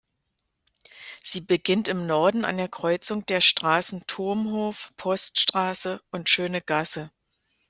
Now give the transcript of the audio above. Sie beginnt im Norden an der Kreuzung der Straßen "Turmhof", "Poststraße" und "Schöne Gasse.